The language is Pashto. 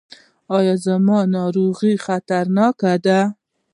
ایا زما ناروغي خطرناکه ده؟